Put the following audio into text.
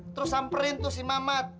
terus samperin tuh si mamat